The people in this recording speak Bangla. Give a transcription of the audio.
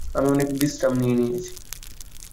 আমি অনেক বিশ্রাম নিয়ে নিয়েছি।